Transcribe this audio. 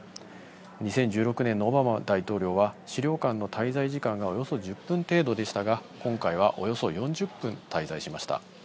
２０１６年のオバマ元大統領は、資料館の滞在時間がおよそ１０分程度でしたが、今回はおよそ４０分滞在しました。